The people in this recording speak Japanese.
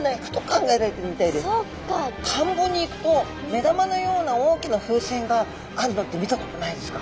田んぼに行くと目玉のような大きな風船があるのって見たことないですか？